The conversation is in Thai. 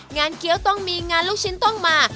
เคี้ยวต้องมีงานลูกชิ้นต้องมา